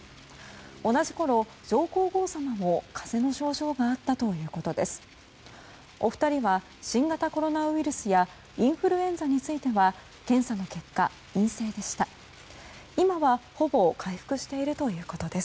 同じころ、上皇后さまも風邪の症状があったということです。